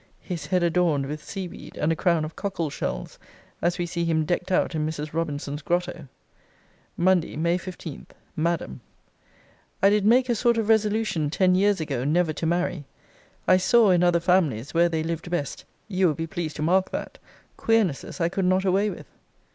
His head adorned with sea weed, and a crown of cockle shells; as we see him decked out in Mrs. Robinson's grotto. MONDAY, MAY 15. MADAM, I did make a sort of resolution ten years ago never to marry. I saw in other families, where they lived best, you will be pleased to mark that, queernesses I could not away with.